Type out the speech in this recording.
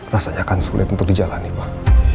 rasanya akan sulit untuk dijalani pak